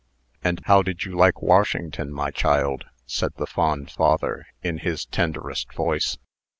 "And how did you like Washington, my child?" said the fond father, in his tenderest voice.